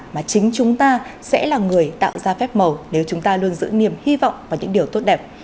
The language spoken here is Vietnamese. mà chính chúng ta sẽ là người tạo ra phép màu nếu chúng ta luôn giữ niềm hy vọng và những điều tốt đẹp